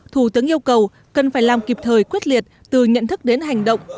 thủ tướng yêu cầu cần phải làm kịp thời quyết liệt từ nhận thức đến hành động